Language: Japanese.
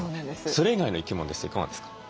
それ以外の生き物ですといかがですか？